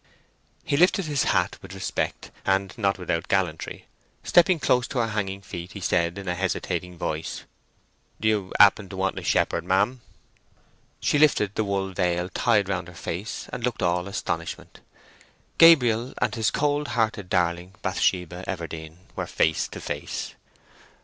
He lifted his hat with respect, and not without gallantry: stepping close to her hanging feet he said in a hesitating voice,— "Do you happen to want a shepherd, ma'am?" She lifted the wool veil tied round her face, and looked all astonishment. Gabriel and his cold hearted darling, Bathsheba Everdene, were face to face.